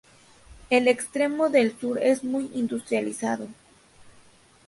El extremo sur del lago es muy industrializado.